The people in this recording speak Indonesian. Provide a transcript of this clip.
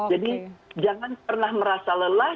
jadi jangan pernah merasa lelah